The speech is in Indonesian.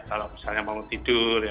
kalau misalnya mau tidur ya